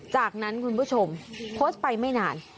จากนั้นคุณผู้ชมโพสต์ไปไม่นาน